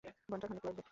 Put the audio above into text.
ঘণ্টা খানেক লাগবে।